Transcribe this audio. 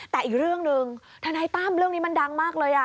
แต่อีกเรื่องหนึ่งทนายตั้มเรื่องนี้มันดังมากเลย